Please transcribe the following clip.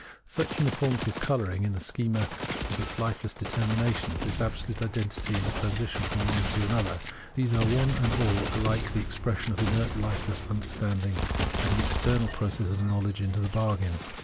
Such uniformity of colouring in the schema with its hfeless determinations, this absolute identity, and the transition from one to the other — these are one and all alike the expression of inert Hfeless understanding, and an external process of knowledge into the bargain.